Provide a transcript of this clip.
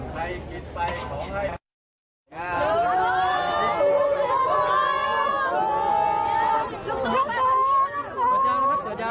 เชิญให้ด้วยทุกคนเป็นรับชาวของตู้ท่าน